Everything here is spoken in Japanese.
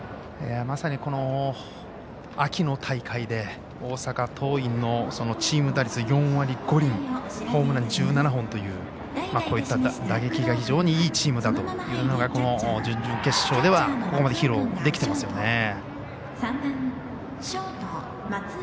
まさに、秋の大会で大阪桐蔭のチーム打率４割５厘ホームラン１７本というこういった打撃が非常にいいチームだというのが準々決勝ではここまで披露できてますよね。